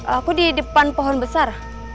aku di depan pohon besar